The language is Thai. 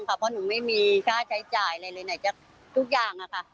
เพราะหนูไม่มีค่าใช้จ่ายอะไรเลยไหนทุกอย่างค่ะ